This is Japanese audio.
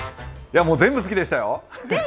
全部好きでしたよ。